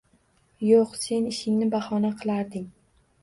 Yo`q, sen ishingni bahona qilarding